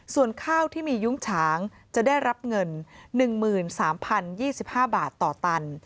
ส่วนข้าวที่มียุ้งฉางจะได้รับเงิน๑๓๐๒๕บาทต่อตัน